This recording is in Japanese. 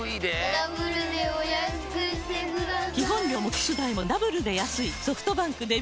ダブルでお安くしてください